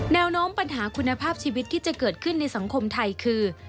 แนวโน้มปัญหาคุณภาพชีวิตที่จะเกิดขึ้นในสังคมไทยคือ